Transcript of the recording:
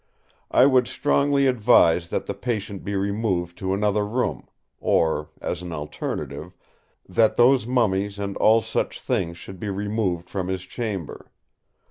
I would strongly advise that the patient be removed to another room; or, as an alternative, that those mummies and all such things should be removed from his chamber.